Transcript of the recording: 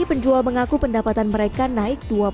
penjual mengaku pendapatan mereka naik